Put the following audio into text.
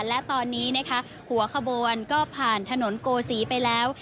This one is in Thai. และตอนนี้นะคะหัวขบวนก็ผ่านถนนโกศีไปแล้ว